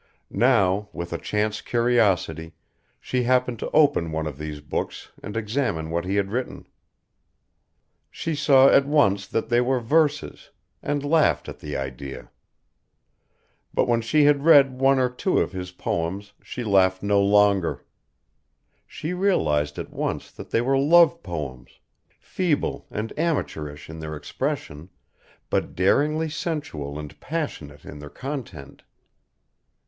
Now, with a chance curiosity, she happened to open one of these books and examine what he had written. She saw at once that they were verses, and laughed at the idea. But when she had read one or two of his poems she laughed no longer. She realised at once that they were love poems, feeble and amateurish in their expression, but daringly sensual and passionate in their content.